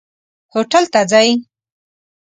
هوټل ته ځئ؟